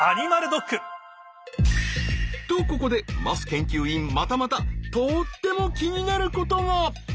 とここで桝研究員またまたとっても気になることが！